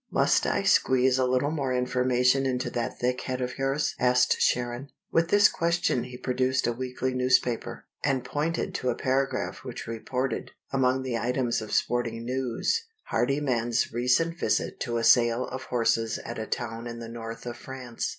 "Must I squeeze a little more information into that thick head of yours?" asked Sharon. With this question he produced a weekly newspaper, and pointed to a paragraph which reported, among the items of sporting news, Hardyman's recent visit to a sale of horses at a town in the north of France.